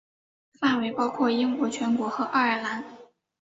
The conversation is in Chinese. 范围包括英国全国和爱尔兰。